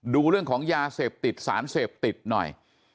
ดูเรื่องของยาเสพติดสารเสพติดหน่อย